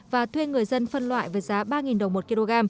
và thuê người dân phân loại với giá ba đồng một kg